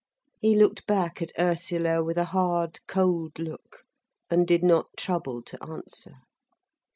He looked back at Ursula with a hard, cold look, and did not trouble to answer.